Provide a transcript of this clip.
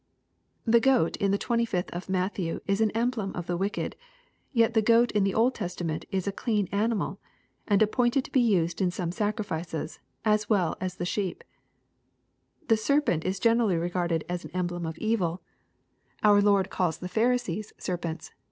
The goat in the 25th of Matthew is an emblem of the wicked , yet the goat in the Old Testament is a clean animal, an! appointed to be used in some sacrifices, as well as the sheep, The serpent is generally regarded as an emblem of evil Oct 6* 180 EXPOSITORY THOUGHTS. TiOrd calls the Pharisees " serpents."